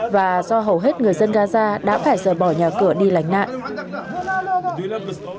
và do hầu hết người dân gaza đã phải rời bỏ nhà cửa đi lánh nạn